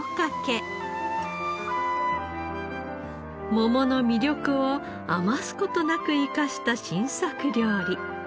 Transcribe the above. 桃の魅力を余す事なく生かした新作料理。